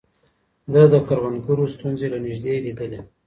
ده د کروندګرو ستونزې له نږدې ليدلې.